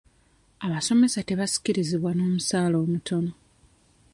Abasomesa tebasikirizibwa n'omusaala omutono.